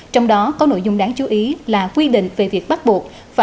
trong đó có nội dung đáng chú ý là quy định về việc bắt buộc